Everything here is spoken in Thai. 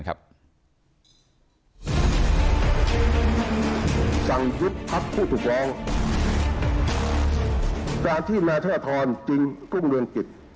การที่มาเทวธรรมจริงก็เมื่องกฤต